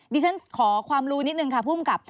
ดิฉันขอความรู้นิดนึงค่ะภูมิกับ